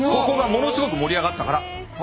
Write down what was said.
ここがものすごく盛り上がったから。